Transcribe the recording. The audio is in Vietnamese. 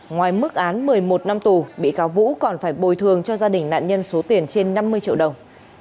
ngoài mức án một mươi một năm tù bị cáo vũ còn phải bồi thường cho gia đình nạn nhân số tiền trên năm mươi triệu đồng